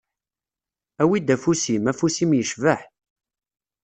Awi-d afus-im, afus-im yecbeḥ.